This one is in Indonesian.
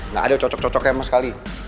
gak ada yang cocok cocoknya emas sekali